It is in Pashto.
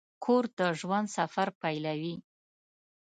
کور د ژوند سفر پیلوي.